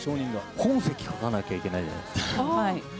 本籍書かなきゃいけないじゃないですか。